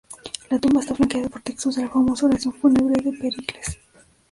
La tumba está flanqueada por textos de la famosa oración fúnebre de Pericles.